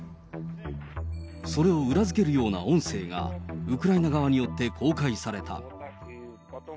それを裏付けるような音声が、ウクライナ側によって公開された。